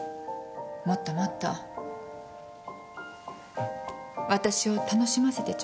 もっともっと私を楽しませてちょうだい。